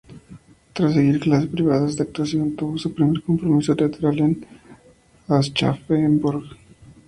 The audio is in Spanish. Tras seguir clases privadas de actuación, tuvo su primer compromiso teatral en Aschaffenburg.